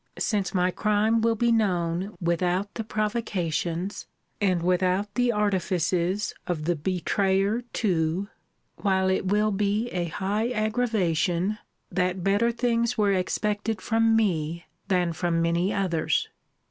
Since my crime will be known without the provocations, and without the artifices of the betrayer too; while it will be a high aggravation, that better things were expected from me than from many others.